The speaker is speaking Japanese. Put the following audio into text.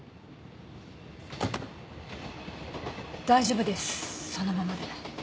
大丈夫ですそのままで。